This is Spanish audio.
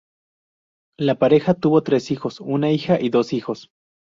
La pareja tuvo tres hijos, una hija y dos hijos.